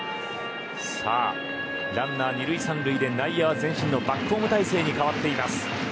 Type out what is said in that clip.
さあランナー２塁３塁で内野は前進のバックホーム態勢に変わっています。